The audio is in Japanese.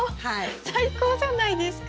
最高じゃないですか。